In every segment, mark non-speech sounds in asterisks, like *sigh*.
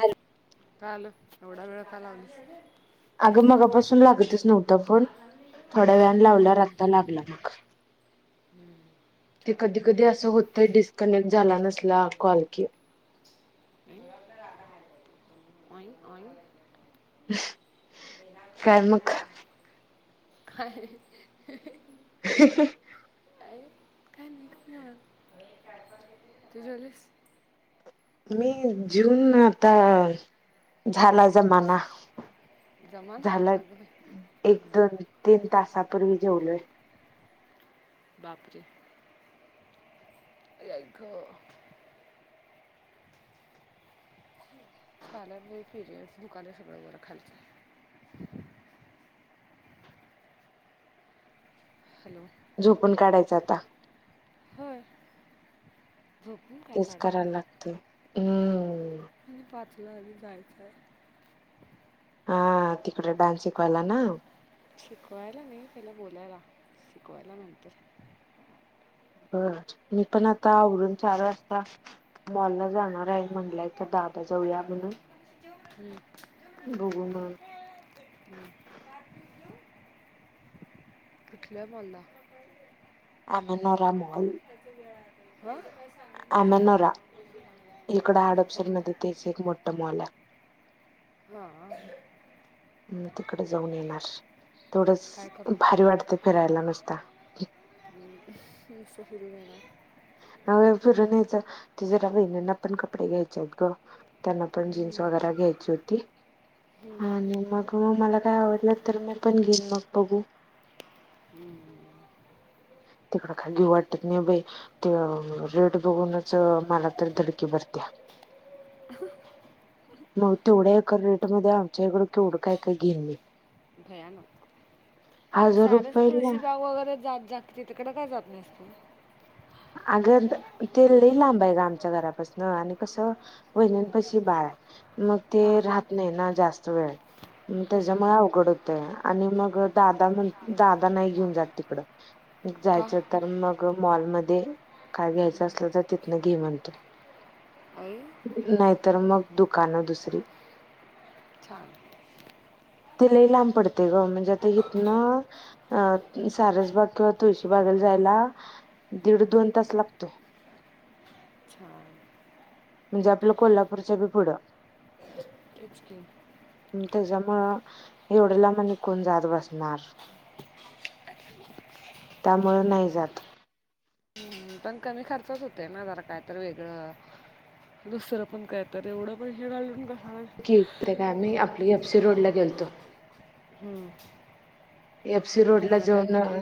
Hello काल एवढा वेळ का लावलीस अगं मगापासून लागतच नव्हता फोन. थोड्या वेळानं लावला तर आत्ता लागला मग. हम्म ते कधी कधी असं होतंय डिस्कनेक्ट झाला नसला कॉल कि *unintelligible* *unintelligible* काय काय मग हाह हाह ह हाह काय *unintelligible* तू जेवलीस. मी जेऊन आता झाला जमाना जमाना झाला अगं बाई एक दोन तीन तासापूर्वी जेवलोय. बापरे *unintelligible* छाने पिरियंस दुकाने सगळं बरं खालचं हॅलो झोपून काढायचा आता. होय झोपून काय तेच काढतो करायला लागतेय. हम्म ला जायचंय हा तिकडे डान्स शिकवायला ना शिकवायला नाही त्याला बोलायला शिकवायला नंतर बर मी पण आता आवरुन चार वाजता मॉल ला जाणार आहे म्हणलाय तर द आता जाऊ या म्हणून हम्म, बघु म. हम्म. कुठल्या मॉल ला? अमेनरा मॉल. अमेनोरा इकड येऊ का हडपसर तुला मध्ये त्याच एक मोठ मॉल आहे. हा हम् तिकडे जाऊन येणार. थोडच काय करू भारी वाटते फिरायला नुसत. आम् हा, नुसत फिरून यायला. हा - फिरून यायचं जरा बहिणींना पण कपडे घ्यायचे आहेत ग. त्यांना पण जीन्स वगैरे घ्यायची होती आणि मग मला काय आवडलं तर मी पण घेईन मग बघू. हम्म हम् तिकड काय घेऊ वाटत नाही बाई ते रेट बघूनच मला तर धडकी बस *unintelligible* मग तेवढ्या एकर रेटमध्येध्ये आमच्या इकडं केवढं काय का घे भयानक मग सारच रुपयेला तुळशीबाग वगैरे जात जात तिथकडं काय जात नसत अगर तेल लांब आहे ग आमच्या घराात आणि कसं पहिनं पैशी बाय मग ते हां राहत नाही ना जास्त वेळ मग त्याच्यामुळे अवघड होत आणि मग दादा म्हण दादा नाही घेऊन जात तिकड का जायचं तर मग मॉल मध्ये काय घ्यायच असलं तर तिथन घे म्हणतो आई नाहीतर मग दुकानं दुसरी छान तिलाही लांब पडते ग म्हणजे आता इथ ना अ सारसबाग किंवा तुळशीबाग यला दीड दोन तास लागतो अच्छा म्हणजे आपलं कोल्हापूरच्या बी पुढं, तेच की. त्याच्यामुळं एवढ्या लांब आणि कोण जात बसणार. त्यामुळं नाही जात. हम्म, पण कमी खर्चच होते ना जरा काय तर वेगळं. दुसरं पण काय तर एवढं पैसे घालून का कायम्ही आपली एफसी रोड ला गेलतो. हम्म एफसी रोड ला जाऊन,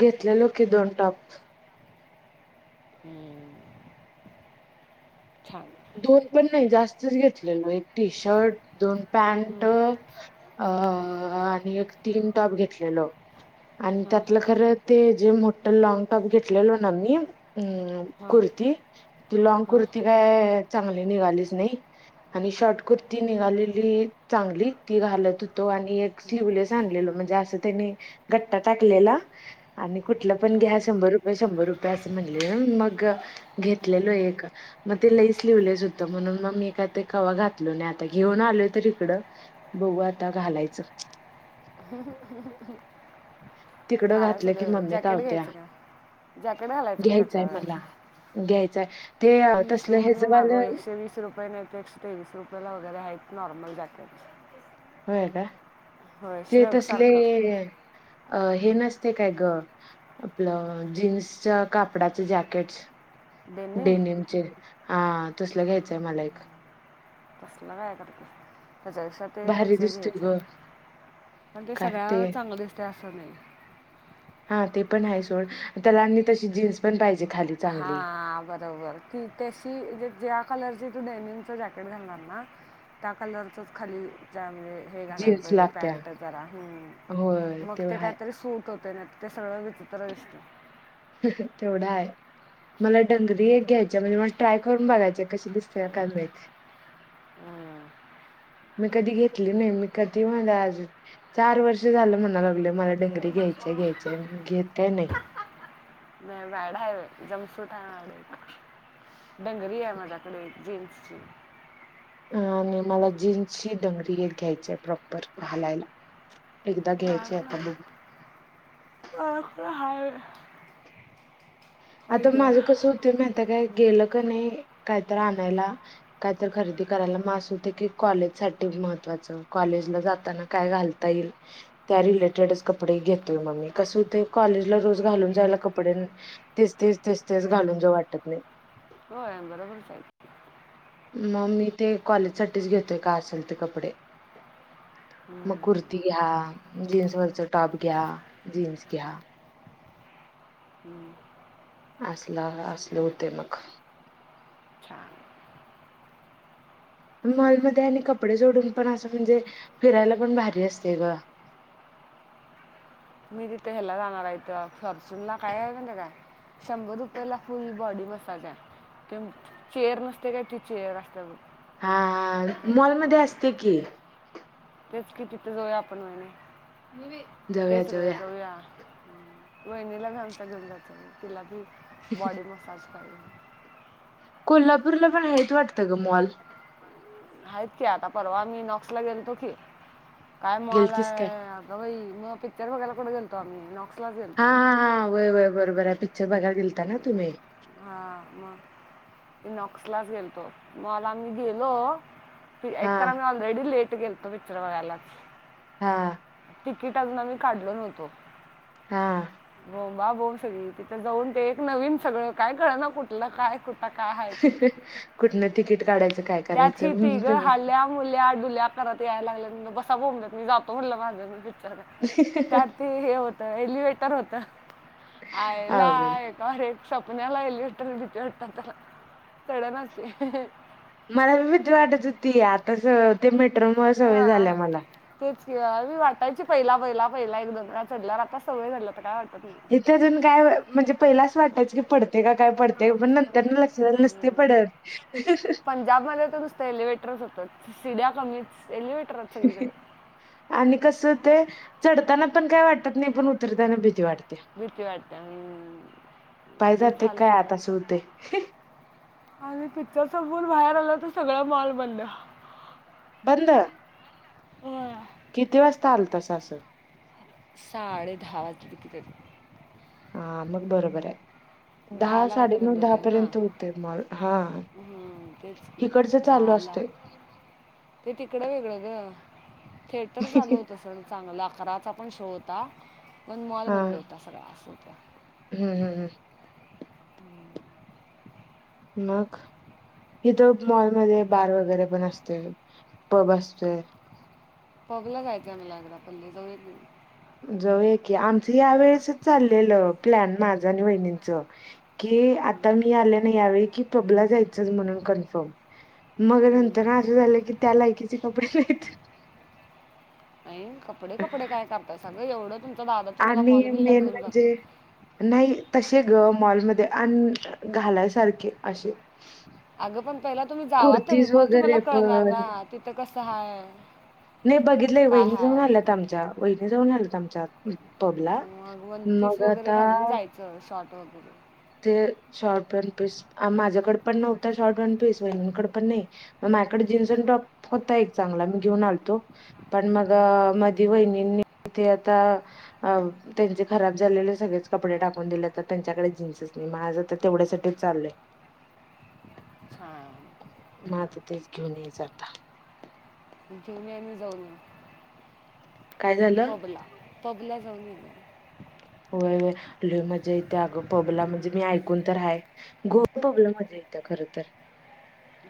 घेतलेलो की दोन टॉप. छान दोन पण नाही जास्तच घेतलेलो एक टी शर्ट दोन पॅनट, हम्म, अ आणि एक तीन टॉप घेतलेलो. आणि हां त्यातलं खरं ते जे मोठ लॉग टॉप घेतलेलो ना मी अ हां कुर्ती ती ती लँग हां कुर्ती काय, चांगली निघालीच नाही आणि शॉर्ट कुर्ती निघालेली चांगली ती घालत होतो. आणि एक शिवलेस आणलेलो, म्हणजे असं त्यांनी गट्टा टाकलेला आणि कुठलं पण घ्या, शंभर रुपये शंभर रुपयेअस म्हणलेले मग घेतलेलो एक मग ति शिवलेस होत. म्हणून मग मी काय कवा घातलो नाही आता घेऊन आलो तर इकड बघु आत्ता घालायचं तिकडं घातलं घालायचं की ग मम्मी जॅकेट कावत्या घ्यायचं मग जॅकेट घालायचं घ्यायचंय त्याच्यावर. मला घ्यायचाय ते अ मिशो तसलं वरन मागव हेजवालं एकशे वीस रुपये नाही तर एकशे तेवीस रुपया ला वगैरे आहे आहेत. नॉर्मल जॅकेट हो का होय ते तसले, श्रगसारखं अ हे नसते काय ग आपलं जीन्सच कापडाचं जॅकेट. डेनिम डेनमचे हा तसलं घ्यायचंय मला एक. कसलं काय करतेस. त्याच्यापेक्षा ते भारी ह्याचे दिसतोय घ्यायचे ग पण ते सगळ्या चांगलं दिसते. अस नाही. हा ते पण आहे सोड त्याला आणि तशी जीन्स पण पाहिजे. खाली चांगली हा बरोबर की तशी म्हणजे. कलरचे तू डेनिनच जॅकेट घालणार ना त्या कलरचच खाली म्हजे, हे घालायला जीन्स पाहिजे लागत्या पॅन्ट जरा होय मग तेवढं ते हाय कायतरी सूट होत. ते सगळं विचित्र दिसत. तेवढा आहे. मला डंगरी एक घ्यायच्या म्हणजे मला ट्राय करून बघायच्या कशी दिसतेय काय माहित. मी कधी घेतली नाही मी कधी म्ह चार वर्ष झालं म्हणा लागलं मला डंगरी घेत घ्यायच घ्यायच्या घेत काय नाही. माझ्याकडे हाय बाई, एकदम सूट आहे. डंगरी आहे माझ्याकडे जीन्सची. आणि मला जीन्सची डंगरी एक घ्यायची आहे प्रॉपर घालायला. एकदा घ्यायची हाक आता बघू हाका आता ग माझं कसं होतं माहित हाय काय? गेलं का नाही काहीत आणायला काहीत खरेदी करायला मा असूते की कॉलेज साठी, महत्वाच कॉलेजला जाताना काय घालता येईल त्या रिलेटेडच कपडे घेतोय मग मी, कसं ते कॉलेजला रोज घालून जायला कपडे, तेच तेच तेस तेच घालून जो वाटत नाही. हो बरोबरच मग मी ते कॉलेजसाठीच घेतोय का असेल ते कपडे, मग हम्म, कुर्ती घ्या जीन्सवरचा टॉप घ्या जीन्स घ्या हम्म, असला असल हुतय मग छान मॉलमध्ये आणि कपडे सोडून पण असं म्हणजे फिरायला पण भारी असते ग मी तिथे ह्याला जाणार आहेथ फॉर्च्युन ला काय आहे पण ते काय शंभर रुपया ला फुल बॉडी मसाजय चेअर नसते काय ती चेअर असते हा मॉलमध्ये असते की तेच कि तिथे जाऊया आपण महिने तेच ग जाऊया वहिणीला घचा घेऊ जााच तिला बॉडी मसाज ह *unintelligible* कोल्हापूरला पण हयचं वाटतं ग मॉल आहेत की आता परवा मी नॉक्स ला गेलतो की काय मॉल गेलतीस हाय काय अग बाई मग पिक्चर बघायला कठे *unintelligible* गेलतो आम्ही नॉक्स हा हा हा वय वय बरोबर आहे पिक्चर बघाला गेलता ना तुम्ही हा मग नॉक्स लाच गेलतो मॉल ला आम्ही गेलो हा एक तर आम्ही ऑलरेडी लेट गेलतो पिक्चर बघायलाच हा तिकीट अजून आम्ही काढलो नव्हतो हा बोबा बोंब सगळी तिथे जाऊन ते एक नवीन सगळं काय कळ ना कुठलं काय कुठ सिकिट *unintelligible* कुठन तिकीट काढायच त्यात हि तिघ हाल्या मुल्या डुल्या करात यायला लागल्यात बसा बोंबलत मी जातो म्हणलं माज मी पिक्चर त्या हो एलिवेटर होत आयला अवघड एकार स्पन्याला एलिवेटर होटत *unintelligible* भिती वाटतात त्याला चढणाच मला पी *unintelligible* भीती वाटत होती आता ते मेट्रो मूळ सवय हा. झाल्या मला तेच मी *unintelligible* वाटायची पहिला पहिला पहिला एकदम चढल्यावर आता सवय झाला तर काय वा इथे अजून काय म्हणजे पहिलाच वाटायचं की पडत नसते पडत. पंजाब मध्ये तर नुसतं एलिवेटरच हूत सीड्या कमीच एलिव्हेटरच सगळीकडे आणि कस ते चढताना पण काय वाटत नाही पण उतरताना भीती वाट भीती वाटत्या म पाय ते जाते झालं काय आत असं होतंय. आणि तिच्या समोर बाहेर आलं तर सगळं मॉल बंद बंद वय किती वाजता आल तस असं साडे दहा वाज कितीतरी हा मग बरोबर राय दहा दहाला काय साडे तर नऊ बंद दहा होते ना पर्यंत होतेत मॉल हा हम्म, तेच की हिकडचं चाल *unintelligible* दहाला असतोय ते तिकडं वेगळं र *unintelligible* थिएटर चालू होत सर चांगला अकराचा पण शो हुता पण मॉल हा मध्ये हुता सगळाासून *unintelligible* हम्म हम्म हम् मग इथं मॉलमध्ये बार वगैरे पण असतय पब असतय पबलं जायच लागला *unintelligible* पली *unintelligible* जव *unintelligible* जाऊ की आमचं या वेळेसच चाललेलं प्लॅन माझं आणि वहिणींच की आता मी आल्या ना यावेळी कि तबला जायचच म्हणून कन्फर्म मग नंतर ना असं झालं की त्या लायकीचे कपडे नाहीत नाही कपडे कपडे काय कापतय सगळं एवढं तुमचा दादा तुम्हाला आणि मॉल बिलला मेन घेऊन म्हणजे जातो नाही त ते ग मॉलमध्ये अ घालायसारखे असे अगं पण पहिला तुम्ही जावा तरी कुर्तीज मग तुम्हाला वगैरे कळणार पण ना तिथं कसं हाय नाही बघितलंय काय वहिनी जाऊन आल्यात आमच्या वहिनी जाऊन आल्यात आमच्यात पबला मग मग आता हो ब ते शॉर्ट वन पीस माझ्याकडे पण नव्हता शॉर्ट वन पीस वहिंकडे पण नाही म माझ्याकडे जीन्स अ टॉप होता एक चांगला मी घेऊन आलतो पण मग मध वहिनींनी तथे आता अ त्यांचे खराब झालेले सगळेच कपडे टाकून दिले तर त्यांच्याकडे जीनसेस मा माझं तर तेवढ्यासाठीच चाललंय हां म तर तेच घेऊन येचता जेऊ म आ्ही जाऊन काय झालं पबला पबला जाऊन गेला ल मजा येत्या अगं पबला म्हणजे मी ऐकून तर आहे गो पबला मजा येतं खरंच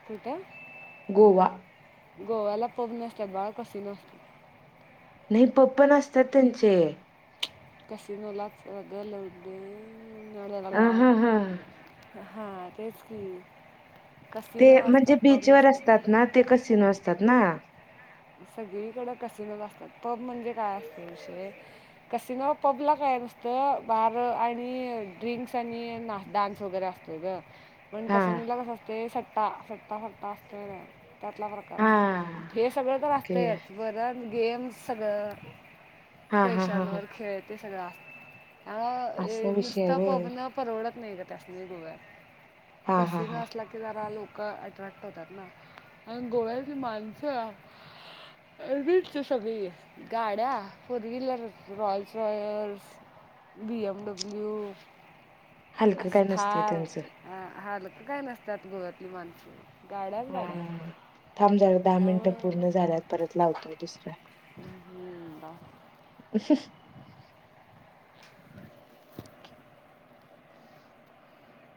कुठं गोवा गोव्याला पप नसतात बाळा कस नसत नाही पप्प असतात त्यांचे कसिनोलाच रगं लावले अ ला हा हा हा तेच की *unintelligible* ते म्हणजे असतात पब बीचवरर नसतात असतात ना ते कसिन असतात ना सगळीकडे कसिनो ला असतात पब म्हणजे काय असतं विषय कसिन पब ला काय का नसत बार आणि ड्रिंक्स आणि डान्स वगैरे असतो ग पण हा कसं निलं कस असते सट्टा सट्टा सट्टा असतो त्यातला प्रकार हा असतो हेच ओके वाहतेच बर गेमस सगळं हा हा हा हा पैशांवर खेळत ते सगळं असा विषय नुसत आहे व्हय पोगण परवडत नाही का त्यासली गोव आहे हा कस हा हा नसला की जरा लोक त अॲट्रॅक्ट होतात ना आणि गोव्यात ज माणसं ह *unintelligible* अच सगळी गाड्या four wheeler royal फॉयर्स B M W हलकं काय नसतंय असथार त्यांचं ह काय नसतात गोवातली माणसं गाड्याच गाड्या ह थांब झाला दहा मिनिटं पूर्ण झाल्यात परत लावतो दुसरा ह ब *unintelligible*